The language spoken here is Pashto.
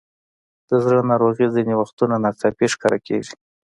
د زړه ناروغۍ ځینې وختونه ناڅاپي ښکاره کېږي.